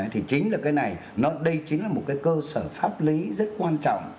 thì chính là cái này đây chính là một cái cơ sở pháp lý rất quan trọng